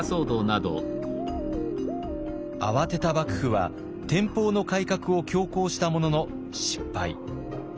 慌てた幕府は天保の改革を強行したものの失敗。